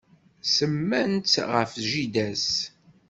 Semman-tt ɣef jida-s.